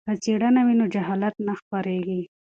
که څیړنه وي نو جهالت نه خپریږي.